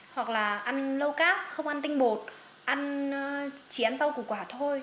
hoặc là ăn lâu cát không ăn tinh bột chỉ ăn rau củ quả thôi